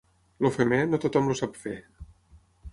El femer, no tothom el sap fer.